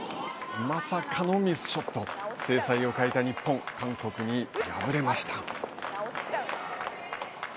まさかのミスショット精彩をかいた日本韓国に敗れました。